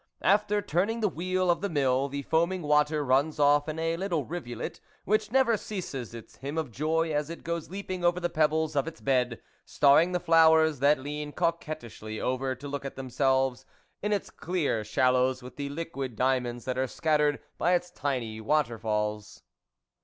After turning the wheel of the mill, the foaming water runs off in a little rivulet, which never ceases its hymn of joy as it goes leaping over the pebbles of its bed, starring the flowers that lean coquettishly over to look at themselves in its clear shallows with the liquid dia monds that are scattered by its tiny water falls.